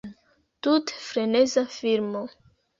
Tute freneza filmo.